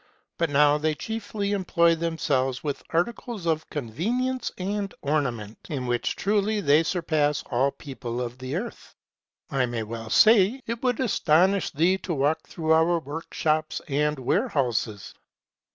But now they chiefly employ themselves with articles of convenience and orna ment, in which truly they surpass all people of the earth. I may well say, it would astonish thee to walk through our workshops and warehouses.